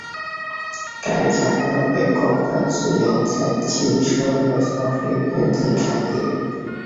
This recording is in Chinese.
该材料被广泛使用在汽车和消费电子产业。